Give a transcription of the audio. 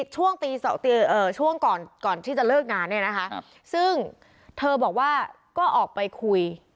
ช่วงก่อนที่จะเลิกงานเนี่ยนะคะซึ่งเธอบอกว่าก็ออกไปคุย